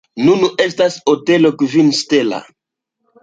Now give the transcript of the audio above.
Nun estas Hotelo kvin stela.